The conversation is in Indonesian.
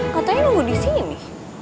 katanya nunggu di sini